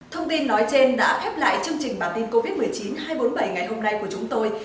thông tin nói trên đã khép lại chương trình bản tin covid một mươi chín hai trăm bốn mươi bảy ngày hôm nay của chúng tôi